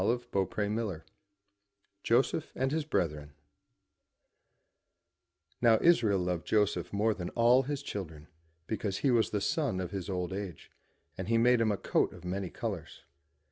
293 MY BOOK HOUSE JOSEPH AND HIS BRETHREN OW Israel loved Joseph more than all his children, be cause he was the son of his old age, and he made him a coat of many colours.